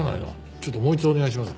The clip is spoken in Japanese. ちょっともう一度お願いします。